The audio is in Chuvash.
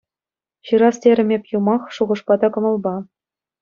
Ҫырас терӗм эп юмах, шухӑшпа та кӑмӑлпа.